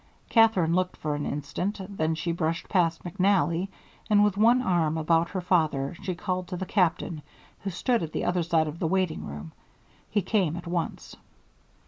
Katherine looked for an instant, then she brushed past McNally, and with one arm about her father she called to the Captain, who stood at the other side of the waiting room. He came at once.